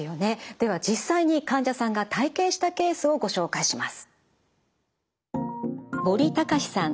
では実際に患者さんが体験したケースをご紹介します。